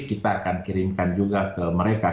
kita akan kirimkan juga ke mereka